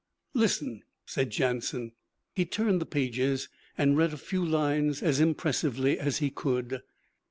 'Listen!' said Jansen. He turned the pages, and read a few lines as impressively as he could.